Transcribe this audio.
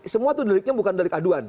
semua itu deliknya bukan delik aduan